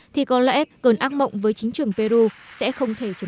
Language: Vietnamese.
thì có lẽ cơn ác mộng với chính trường peru sẽ không thể chấm dứt